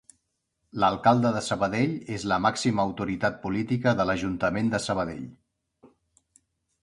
L'alcalde de Sabadell és la màxima autoritat política de l'Ajuntament de Sabadell.